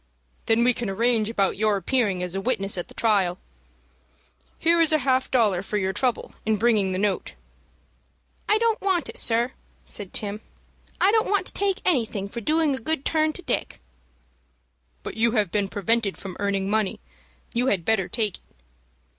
"Then we can arrange about your appearing as a witness at the trial. Here is half a dollar for your trouble in bringing the note." "I don't want it, sir," said Tim. "I don't want to take anything for doing a good turn to Dick." "But you have been prevented from earning money. You had better take it."